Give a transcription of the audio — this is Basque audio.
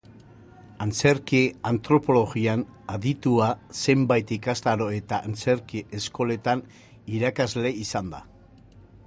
Antzerki-antropologian aditua, zenbait ikastaro eta antzerki eskoletan irakasle izan da.